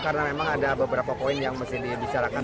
karena memang ada beberapa poin yang masih dibicarakan